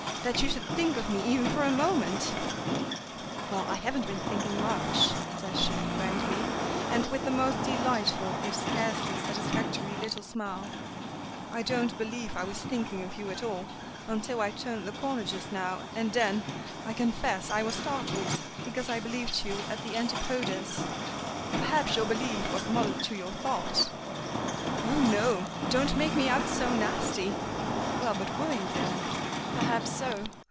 That you should think of me even for a moment " "Well, I haven't been thinking much," says she, frankly, and with the most delightful if scarcely satisfactory little smile: "I don't believe I was thinking of you at all, until I turned the corner just now, and then, I confess, I was startled, because I believed you at the Antipodes." "Perhaps your belief was mother to your thought." "Oh, no. Don't make me out so nasty. Well, but were you there?" "Perhaps so.